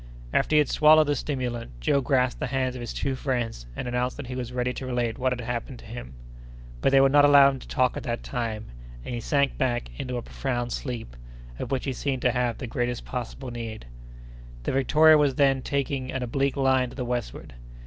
After he had swallowed the stimulant, Joe grasped the hands of his two friends and announced that he was ready to relate what had happened to him. But they would not allow him to talk at that time, and he sank back into a profound sleep, of which he seemed to have the greatest possible need. The Victoria was then taking an oblique line to the westward.